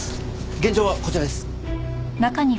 現場はこちらです。